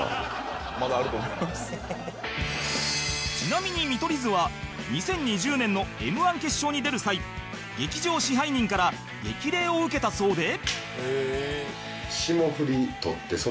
ちなみに見取り図は２０２０年の Ｍ−１ 決勝に出る際劇場支配人から激励を受けたそうで